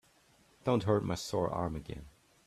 Don't hurt my sore arm again.